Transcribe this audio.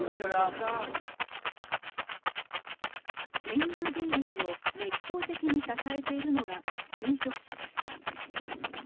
ベングビール氏を熱狂的に支えているのが入植者です。